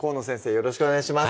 よろしくお願いします